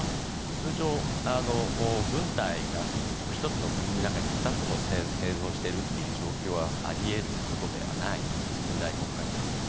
通常、軍隊が１つの国の中に２つも並存しているという状況はあり得ることではないわけです近代国家においては。